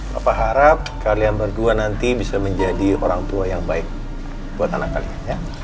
bapak harap kalian berdua nanti bisa menjadi orang tua yang baik buat anak kalian